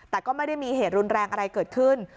แต่ก็ไม่ได้มีเหตุรุนแรงอะไรเกิดขึ้น